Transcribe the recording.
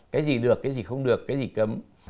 cái gì được cái gì không được cái gì cấm